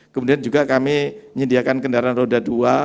kemudian juga kami menyediakan kendaraan roda dua